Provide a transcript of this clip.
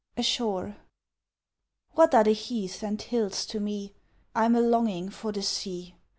ASHORE What are the heaths and hills to me? I'm a longing for the sea!